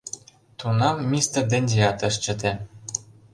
Тунам мистер Дендиат ыш чыте.